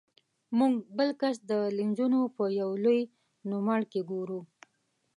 موږ بل کس د لینزونو په یو لوی نوملړ کې ګورو.